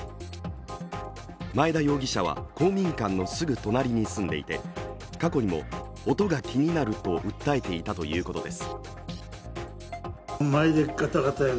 前田容疑者は公民館のすぐ隣に住んでいて過去にも音が気になると訴えていたということです。